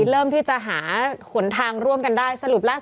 เริ่มที่จะหาขนทางร่วมกันได้